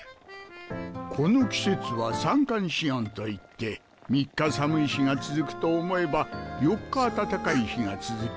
この季節は「三寒四温」といって三日寒い日が続くと思えば四日暖かい日が続きそっと。